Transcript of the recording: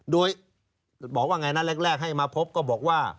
ด้วยบอกว่าอย่างไรนะแรกให้มาพบก็บอกว่า